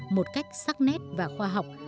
một cách sắc nét và khoa học